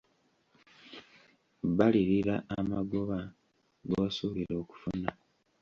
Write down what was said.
Balirira amagoba g’osuubira okufuna.